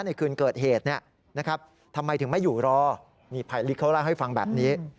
ในคืนเกิดเหตุทำไมถึงไม่อยู่รอนี่ภัยลิกเขาเล่าให้ฟังแบบนี้